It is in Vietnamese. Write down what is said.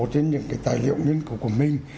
trên những tài liệu nghiên cứu của mình